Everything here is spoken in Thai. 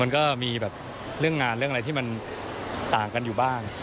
มันก็มีแบบเรื่องงานเรื่องอะไรที่มันต่างกันอยู่บ้าง